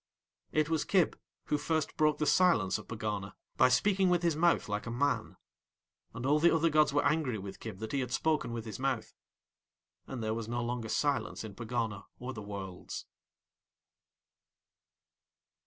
It was Kib who first broke the Silence of Pegana, by speaking with his mouth like a man. And all the other gods were angry with Kib that he had spoken with his mouth. And there was no longer silence in Pegana or the Worlds.